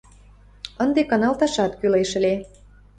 Ынде каналташат кӱлеш ыле.